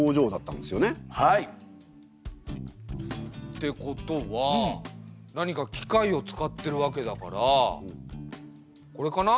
ってことは何か機械を使ってるわけだからこれかな？